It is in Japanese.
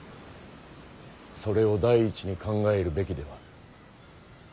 それを第一に考えるべきでは。